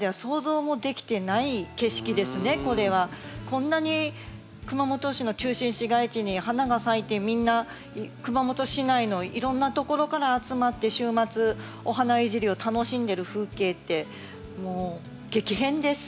こんなに熊本市の中心市街地に花が咲いてみんな熊本市内のいろんなところから集まって週末お花いじりを楽しんでる風景ってもう激変です。